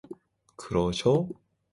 그러셔?